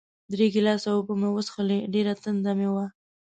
درې ګیلاسه اوبه مې وڅښلې، ډېره تنده مې وه.